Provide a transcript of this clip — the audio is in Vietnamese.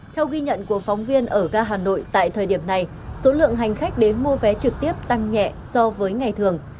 theo ghi nhận của phóng viên ở ga hà nội tại thời điểm này số lượng hành khách đến mua vé trực tiếp tăng nhẹ so với ngày thường